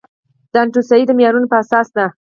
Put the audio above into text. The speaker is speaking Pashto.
د انتوسای د معیارونو په اساس ده.